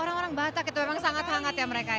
orang orang batak itu memang sangat hangat ya mereka ya